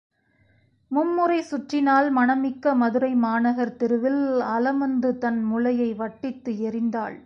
மும் முறை சுற்றினாள் மணம் மிக்க மதுரை மாநகர்த்தெருவில் அலமந்து தன் முலையை வட்டித்து எறிந்தாள்.